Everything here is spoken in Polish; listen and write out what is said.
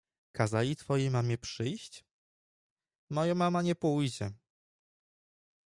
— Kazali twojej mamie przyjść? — Moja mama nie pójdzie.